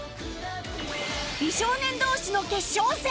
美少年同士の決勝戦！